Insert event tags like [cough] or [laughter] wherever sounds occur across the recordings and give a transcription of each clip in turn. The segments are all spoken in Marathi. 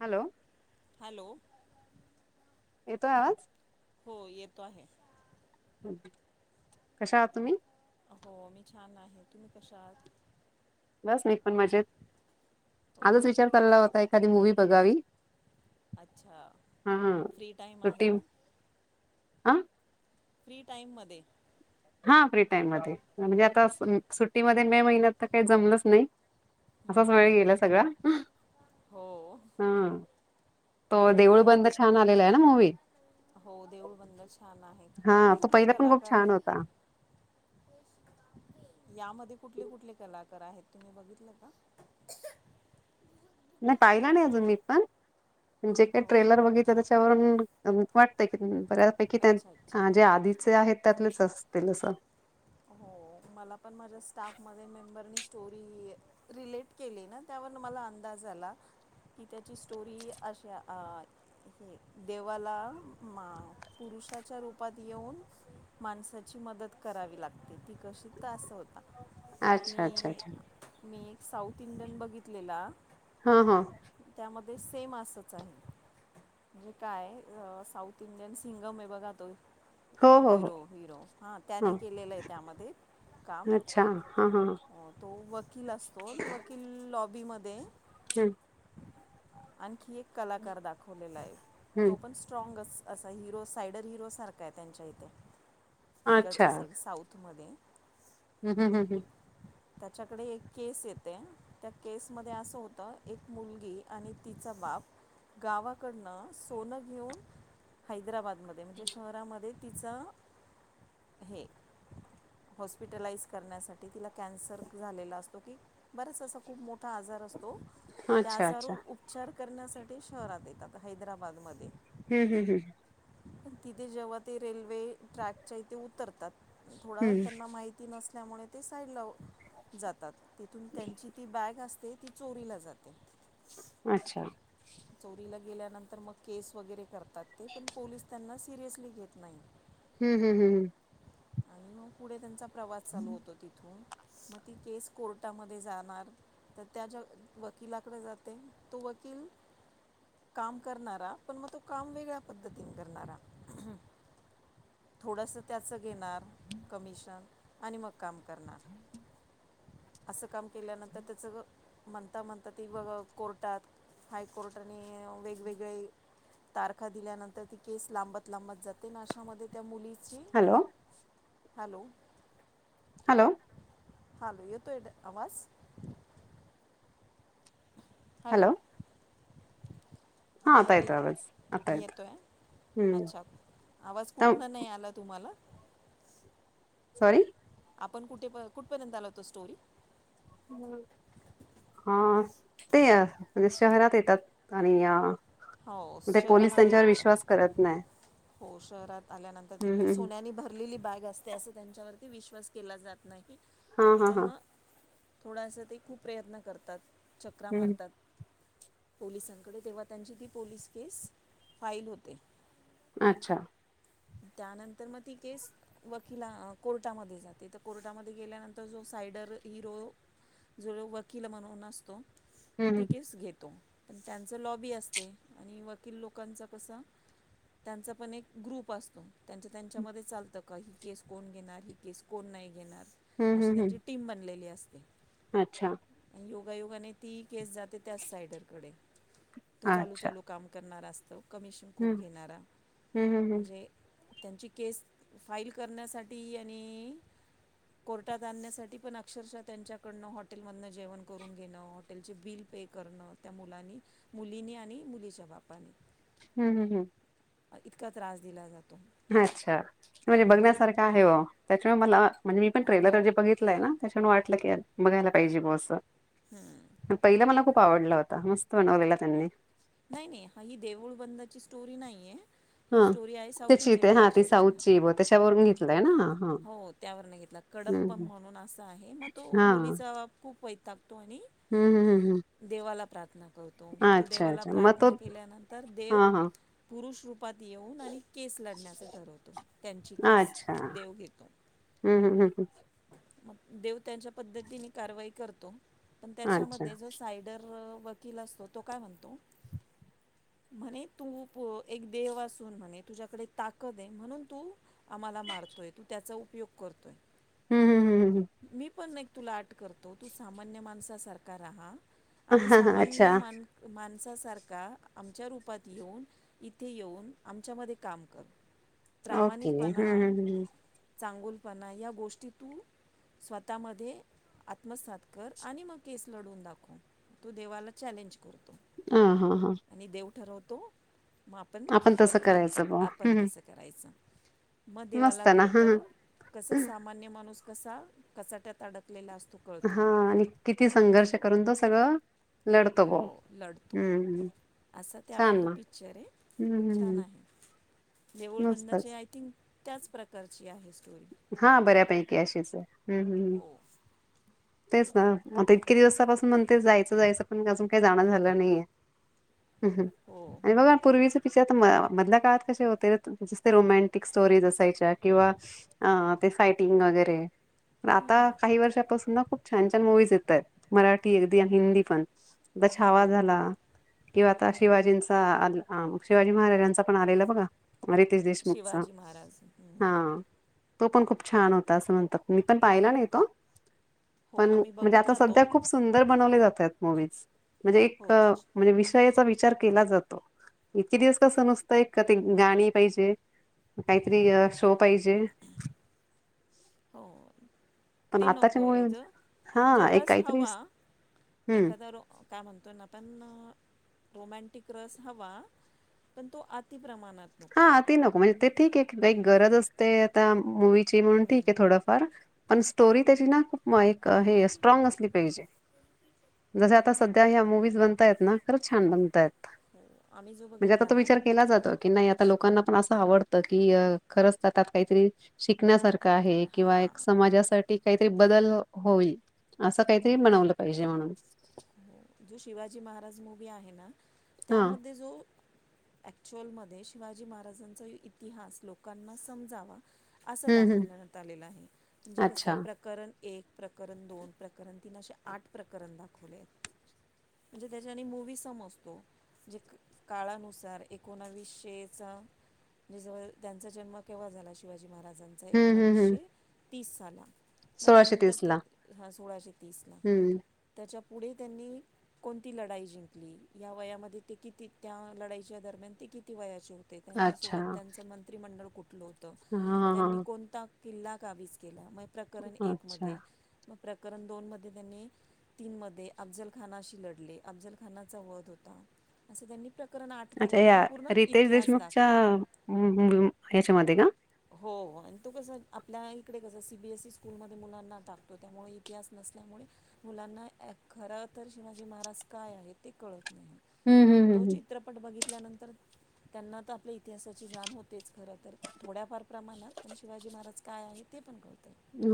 हॅलो! हॅलो! येतोय, आवाज. हो, येतो आहे. कशा आहात तुम्ही? हो मी छान! आहे. तुम्ही कशा आहात? बस [unintelligible] पण मजेत हो आजच विचार चालला होता, एखादी मूवी बघावी. अच्छा! हा हा फ्री टाइम आहे का? आं. फ्री टाइम मध्ये, हा फ्री टाईम मध्ये म्हणजे, आता सुट्टीमध्ये मे महिन्यात तर काही जमलंच नाही. हम्म, असाच वेळ हम्म. गेला सगळां. हो हा तो देऊळ बंद उन्हाळ्यात छान! आलेला आहे, ना मूवी. हो देऊळबंद छान! आहे. हा कुठले तो कुठले पहिला पण खूप कलाकार छान आहेत. होता यामध्ये, कुठले कुठले कलाकार आहेत? तुम्ही बघितलं का? [unintelligible] नाही पाहिला नाही अजून मी पण जे काही हो ट्रेलर बघितल त्याच्यावरून वाटतंय की बऱ्यापैकी अच्छा अच्छा त्या जे आधीचे आहेत त्यातलेच असतील असं हो मला पण माझ्या स्टाफ मध्ये मेंबरनी स्टोरी रिलेट केली ना त्यावर मला अंदाज आला. मी त्याची स्टोरी अशा अ देवाला मा पुरुषाच्या रूपात येऊन माणसाची मदत करावी लागते. ते ती कशी तर असा होता अच्छा मी अच्छा अच्छा मी साऊथ इंडियन बघितलेला. हा हा मध्ये सेम असच आहे. जे काय साऊथ इंडियन सिंगम आहे बघा तो हो हो हो हिरो हिरो हा त्याने केलेलं आहे त्यामध्ये काम अच्छा हा हा अ तो वकील असतो वकील लॉबी मध्ये हम्म आणखी एक कलाकार दाखवलेला आहे. तो हम्म पण स्ट्रॉगच असा हिरो सायडर हिरो सारखा आहे त्यांच्या इथे अच्छा तिकडच्या साईड साऊथ त मध्ये हम्म हम्म हम्म हम्म त्याच्याकडे एक केस येते. त्या केस मध्ये असं होत, एक मुलगी आणि तिच बाप गावाकडनं सोनं घेऊन हैदराबाद मध्येम्हणजे शहरामध्ये तिच हे [inaudible] हॉस्पिटलाइज करण्यासाठी तिला कॅन्सर झालेला असतो कि बराच असा खूप मोठा आजार असतो. तो हम्म. त्या अच्छा आजारू अच्छा उपचार करण्यासाठी शहरात येतात. हैदराबादमध्ये हम्म हम्म हम्म तिथे जेव्हा ते रेल्वे ट्रॅकच्या इथे उतरतात. थोडा हम्म हम्म त्यांना माहिती नसत त्यामुळे ते साईड ला जातात तीथून त्यांची ती बॅग अस ते ती चोरीला जाते. अच्छा चोरीला गेल्यानंतर मग केस वगैरे करतात ते पण पोलीस त्यांना सिरियसली घेत नाही. हम्म हम्म हम्म हम्म आणि मग पुढे त्यांचा प्रवास चालू होतो तिथून मग ती केस कोर्टामध्ये जाणार तर त्या ज्या वकिलाकडे जाते तो वकिल काम करणारा. पण मग तो काम वेगळ्या पद्धतीन करणारा थोडस त्याच घेणार कमिशन आणि मग काम करणार अस काम केल्यानंतर त्याचं ग म्हणता म्हणता ती बाबा कोर्टात हायकोर्टाने वेगवेगळे तारखा दिल्यानंतर ती केस लांबत लांबत जाते आणि अशामध्ये त्या मुलीची हॅलो हॅलो हॅलो हा येतोय ना आवाज हॅलो हा हो आता म्हटली येतोय आवाज. आता मी येतो येतोय. आहे अच्छा आवाज कुठनं नाही आला तुम्हाला सॉरी आपण कुठे कुठपर्यंत आलो होतो स्टोरी हम्म हा ते म्हणजे शहरात येतात. आणि अ हो ते शहरामध्ये पोलिसांच्यावर येतात विश्वास करत नाही. हो शहरात आल्यानंतर ती हम्म हम्म. सोन्यानी भरलेली बॅग असते असं त्यांच्यावरती विश्वास केला जात नाही. हा हा पण हा. मग थोडासा ते खूप प्रयत्न करतात. चक्रा हम्म मारतात. पोलिसांकडे तेव्हा त्यांची ती पोलीस केस फाईल होते. अच्छा. त्यानंतर मग ती केस वकिला अ कोर्टामध्ये जाते. तर कोर्टामध्ये गेल्यानंतर जो सायडर हिरो जो वकील म्हणून असतो हम्म ती केस घेतो. पण त्यांच लॉबी असते आणि वकील लोकांचा कसा त्यांचा पण एक ग्रुप पासतो त्यांच्या त्यांच्यामध्ये चालतं का ही केस कोण घेणार ही केस कोण नाही घेणार. हम्म अशी हम्म त्यांची हम्म टीम बनलेली असते. अच्छा. आणि योगायोगाने ती केस जाते त्या साइडरकडे. तो चालू अच्छा चालू काम करणार अस तर कमिशन खूप हम्म घेणारा. हम्म हम्म हम्म म्हणजे त्यांची केस फाईल करण्यासाठी आणि कोर्टात आणण्यासाठी पण अक्षरशः त्यांच्याकडन हॉटेल मधनं जेवण करून घेणं हॉटेलचे बिल पे करण त्या मुलांनी मुलीनी आणि मुलीच्या बापानी. हम्म हम् हम्म. इतका त्रास दिला जातो. अच्छा म्हणजे हां बघण्यासारखं आहे हो. त्याच्यामुळे मला म्हणजे मी पण ट्रेलर हो जे बघितलंय ना त्याच्यान वाटलं की बघायला पाहिजे ब सं. हम्म. पहिला मला खूप आवडला होता. मस्त बनवलेला त्यांनी. नाही नाही हा ही देऊळ बंदाची स्टोरी नाहीये. हा त्याची ते हा ती साऊथची हां ब त्याच्यावरून घेतलंय ना हा? हा हो त्यावरनं घेतला कडप्प हम्म म्हणून असा आहे मग तो हा हम्म मुलीचाब खूप वै तो आणि हम्म हम्म हम्म देवाला न करतो, मग तो अच्छा देवाला अच्छा मग तो प्रार्थना केल्यानंतर देव हा हा पुरुष रुप् पात येऊन आणि केस लढण्याचं ठरवतो त्यांची केस अच्छा देव घेतो. हम्म हम्म हम्म हम्. मग देव त्यांच्या पद्धतीने कारवाई करतो पण अच्छा त्याच्यामध्ये जो सायडर वकील असतो तो काय म्हणतो? [inaudible] म्हणे तू एक देव असून म्हणे तुझ्याकडे ताकद आहे. म्हणून तू आम्हाला मारतोय. तू त्याचा उपयोग करतोय. हम्म हम्म हम्म हम्म मी पण तुला आट करतो तू सामान्य माणसासारखा राहा. आणि हा हा अच्छा सामान्य मान मान अस सारखा आमच्या रूपात येऊन इथे येऊन आमच्यामध्ये काम कर. ओके हम्म प्रामाणिकपणा हम्म हम्म हम्. चांगुलपणा या गोष्टी तू स्वतःमध्ये आत्मसात कर आणि मग केस लढवून दाखव. तू देवाला चॅलेंज करतो आ हां हां. तो म आपण तसं वकील करायचं बुवा आपण हम्म हम्म तसं करायचं. म देवाला मस्त ना कळत हा कस हा सामान्य माणूस कसा कचाट्यात अडकलेला असतो तंत्र नव्हे हा आणि किती संघर्ष करून तो सगळं लढतो ब हम्म. असं त्यावर छान तो ना पिकच्चर आहे छान हम्मम आहे. देऊळ बंदाचे मस्तच आय थिंक त्याच प्रकारची आहे. स्टोरी हा बऱ्यापैकी अशीच आहे. हम्म हम्म. हो तेच ना, आता इतके दिवसापासून म्हणते जायचं- जायचं, पण अजून काही जाणं झालं नाहीये. हम्, हम हो आणि बघा पूर्वीच पि आता म मधल्या काळात कसे होते, त रोमँटिक स्टोरीज असायच्या किंवा ह ते सायटिंग वगैरे, प आता काही वर्षापासून ना खूप छान- छान मुवीज येतायत. मराठी अगदी आणि हिंदी पण. द छावा हो झाला किंवा आता शिवाजींचा [unintelligible] हा शिवाजी महाराजांचा पण आलेला बघा, रितेश देशमुखचा. शिवाजी महाराज हं. हा तो पण खूप छान होता, असं म्हणतात. मी पण पाहिला नाही तो. हो पण आम्ही म्हणजे आता बघितला तो सध्या, खूप सुंदर बनवले जातात मूविज. म्हणजे एक, हो म्हणजे विषयाचा वि चार केला जातो. इतके दिवस कस, नुसत [unintelligible] ते गाणी पाहिजे काहीतरी शो पाहिजे हो पण ते आताच्या नको मुव्ही, आहे ज म्हणजे हा एक रस काहीतरी हवा स एखादा रो काय म्हणतो ना पण रोमँटिक रस हवा, पण तो अति प्रमाणात नको हा ती नको, म्हणजे ते ठीकय की, गरज असते आता मूवीची म्हणून ठीक हं. आहे थोडंफार, पण स्टोरी त्याची ना, खुप मग एक हे, स्ट्रॉंग असली पाहिजे. जसे आता सध्या ह्या मुवीज बनतायेत ना, खरंच छान बनतायत. हो आम्ही जो म्हणजे आता बघितला तो ना विचार केला जातो. की नाही आ लोकांना पण असं आवडत की, खरच त्यात काहीतरी शिकण्या सार ख आहे किंवा हां एक समाजासाठी काहीतरी बदल होईलअसं, काहीतरी बनवलं पाहिजे म्हणून. हो जो शिवाजी महाराज मुवी आहे ना, हा त्यामध्ये जो अक्च्युअल मध्ये, शिवाजी महाराजांचा इतिहास लोकांना समजावा असं हं, हं. दाखवण्यात आलेलं आहे. म्हणजे कसं अच्छा. प्रकरण एक, प्रकरण दोन, प्रकरण तीन, अशे आठ प्रकरण दाखवलेयत. म्हणजे त्याच्याने मूवी समजतो. जे काळानुसार एकोणावीसशेचा म्हणजे जवळ त्यांचा जन्म केव्हा झाला? शिवाजी महाराजांचा हं, हं, हं. एकोणविसशे तीस साला मग त्यानंतर ते, हा सोळाशे तीस ला. हं. त्याच्या पुढे त्यांनी कोणती लढाई जिंकली? या वयामध्ये किती, त्या लढाईच्या दरम्यान किती वयाचे होते? त्यांच्या अच्छा. सोबत त्यांच मंत्रिमंडळ कुठल होत? हां, म हां, त्यांनी हां. कोणता? किल्ला काबीज केला, मग प्रकरण एकमध्ये, अच्छा. मग प्रकरण दोनमध्ये त्यांनी तीनमध्ये अफजल खानाशी लढले, अफजल खानाचा वध होता. असं त्यांनी प्रकरण अच्छा, आठपर्यंत या पूर्ण रितेश इतिहास देशमुखच्या दाखवला मुव्ही मु याच्यामध्ये का? हो हो आणि तो कस, आपल्या इकडे कस, C B S E school मुलांना टाकतो त्यामुळे इतिहास असल्यामुळे, मुलांना खर तर शिवाजी महाराज काय आहेत ते कळत हं, हं, तो हं, हं. चित्रपट बघित तल्यानंतर, त्यांना तर आपल्या इतिहासाची जाण होतेच, खर तर. थोड्याफार प्रमाणात पण, शिवाजी महाराज काय आहे ते पण कळूत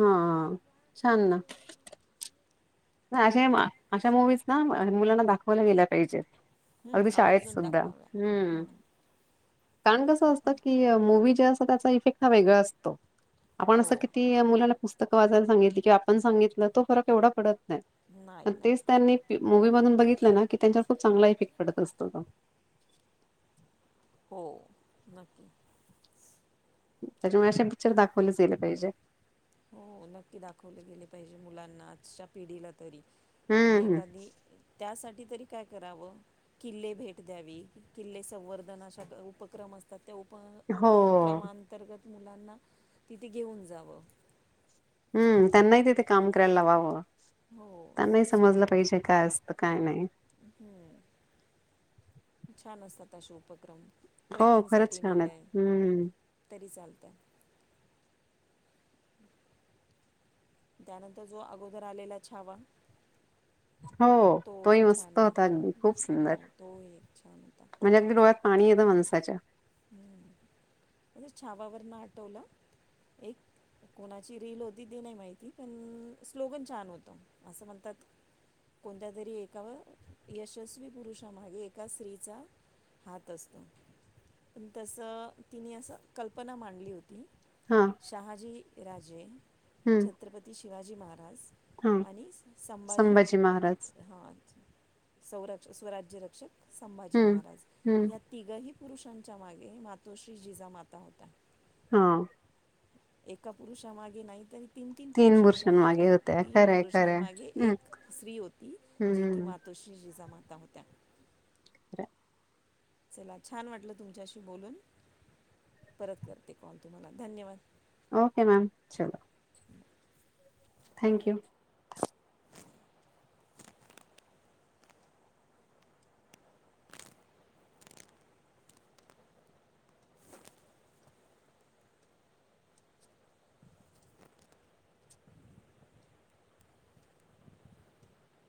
हा, छान ना. नाही अशा या मा मुवीज ना, मुलांना दाखवायला गेल्या पाहिजेत. हं, अगदी शाळेत आवर्जून सुद्धा. दाखवाव्या हम्, हं, कारण कस असतं की, मूवी स्वतःचा [unintelligible] हा वेगळा असतो. आपण हो असं किती मुलांना पुस्त वाचायला सांगितली की, आपण सांगितलं तो फरक एवढा पडत नाही तेच नाही त्यांनी मुवी मधून बघितलं ना की, त्यांच्यावर खूप चांगला इफेक्ट पडत असतो तो. हो, नक्की. त्याच्यामुळे अशे पिक्चर, दाखवलेच गेले पाहिजे. हो नक्की दाखवले गेले पाहिजे मुलांना आजच्या पिढीला तरी आणि हम्म एखादी त्यासाठी तरी काय करावं किल्ले भेट द्यावी किल्ले संवर्धन अशा उपक्रम असतात त्या हो उपक्रमांतर्गत मुलांना तिथे घेऊन जावं हम्म त्यांनाही तिथे काम करायला लावावं हो त्यांनाही स- स्वच्छ समजलं पाहिजे काय असतं काय नाही हम्म छान असत तशे उपक्रम हो खरंच ट्रेकिंगसाठी छान आहेत. निलंय हम्म तरी चालतय [unintelligible] त्यानंतर जो अगोदर आलेला छावा ह [inaudible] हो तोही मस्त छान होता आहे अगदी खूप सुंदर हो तोही एक छान होता म्हणजे अगदी डोळ्यात पाणी येत मनसाच्या म्ह छावावर न आटवलं एक- कोणाची रील होती ते नाही माहिती पण स्लोगन छान होत असं म्हणतात कोणत्या तरी एका व यशस्वी पुरुषामागे एका स्त्रीचा- हात असतो प तसं तिने असं कल्पना मांडली होती हा शहाजी राजे- हम्म छत्रपती शिवाजी महाराज हा आणि संभाजी हा सौरथ स्वराज्य रक्षक संभाजी हम्म महाराज हम्म या तिघही पुरुषां- च्या मागे मातोश्री जीचा माता होत्या हा एका पुरुषा मागे नाहीतरी- तीन तीन पुरुषांच्या माग बुरशांमागे होत्या तीन खरंय खरंय पुरुषांमागे हम्म एक स्त्री होती हम्म जी की हम्म. मातो- अशी जी जमाता होत्या [unintelligible] चला छान वाटलं तुमच्याशी बोलून परत करते काॅल तुम्हाला धन्यवाद ओके मॅम चला थँक्यू यू